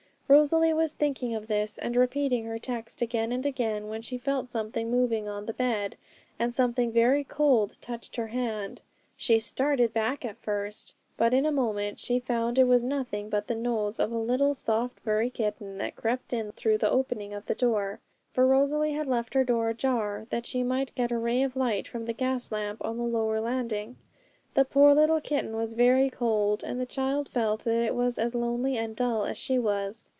Rosalie was thinking of this, and repeating her text again and again, when she felt something moving on the bed, and something very cold touched her hand. She started back Blank Page [Illustration: "Is it time to get up?"] at first, but in a moment she found it was nothing but the nose of a little soft furry kitten, that had crept in through the opening of the door; for Rosalie had left her door a little ajar, that she might get a ray of light from the gas lamp on the lower landing. The poor little kitten was very cold, and the child felt that it was as lonely and dull as she was.